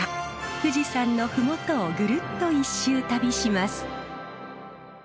富士山のふもとをぐるっと一周旅します。